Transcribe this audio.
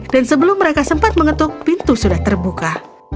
dan sebelum mereka sempat mengetuk pintu sudah terbuka